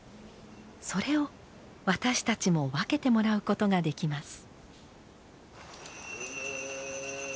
それを私たちも分けてもらうことができます。